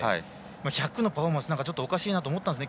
１００のパフォーマンスちょっとおかしいなと思ったんですね。